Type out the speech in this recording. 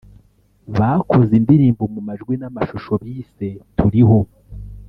bakoze indirimbo mu majwi n’amashusho bise ‘Turiho’